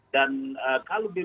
dan kalau bpcm